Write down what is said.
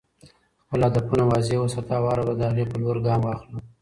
خپل هدفونه واضح وساته او هره ورځ د هغې په لور ګام واخله.